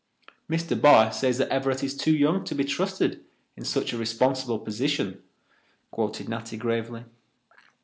"Mr. Barr says that Everett is too young to be trusted in such a responsible position," quoted Natty gravely.